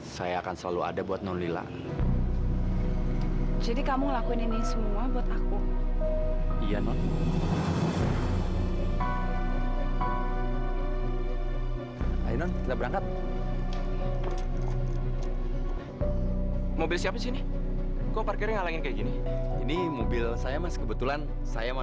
sampai jumpa di video selanjutnya